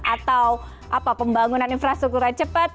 atau apa pembangunan infrastrukturnya cepat